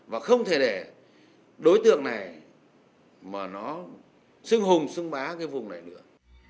và không thể để đối tượng này mà nó xưng hùng xưng bá cái vùng này nữa